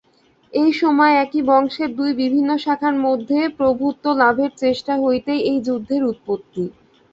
এই সময়ে একই বংশের দুই বিভিন্ন শাখার মধ্যে প্রভুত্বলাভের চেষ্টা হইতেই এই যুদ্ধের উৎপত্তি।